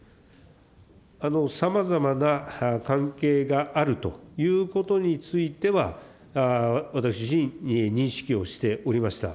さまざまな関係があるということについては、私自身、認識をしておりました。